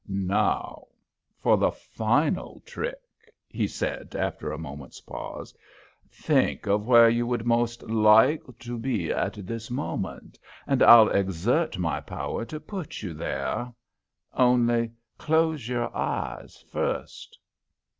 "Now for the final trick," he said, after a moment's pause. "Think of where you would most like to be at this moment, and I'll exert my power to put you there. Only close your eyes first."